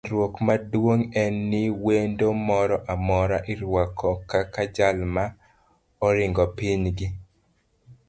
Chandruok maduong en ni wendo moro amora iruako kaka jal ma oringo piny gi.